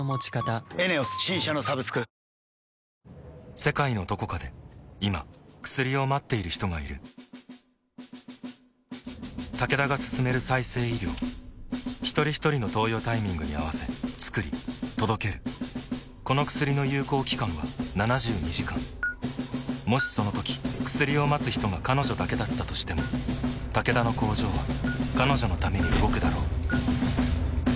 世界のどこかで今薬を待っている人がいるタケダが進める再生医療ひとりひとりの投与タイミングに合わせつくり届けるこの薬の有効期間は７２時間もしそのとき薬を待つ人が彼女だけだったとしてもタケダの工場は彼女のために動くだろう